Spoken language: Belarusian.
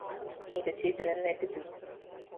У дзяцей дрэнны апетыт.